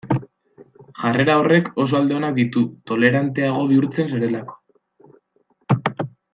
Jarrera horrek oso alde onak ditu toleranteago bihurtzen zarelako.